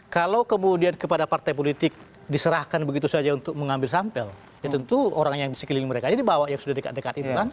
kalau kemudian kepada partai politik diserahkan begitu saja untuk mengambil sampel ya tentu orang yang di sekeliling mereka aja dibawa yang sudah dekat dekat itu kan